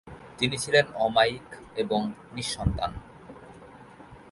তিনি ছিলেন অমায়িক এবং নিঃসন্তান।